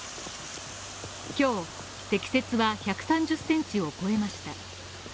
今日、積雪は１３０センチを超えました。